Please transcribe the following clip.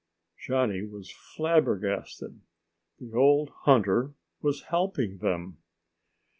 Johnny was flabbergasted. The old hunter was helping them!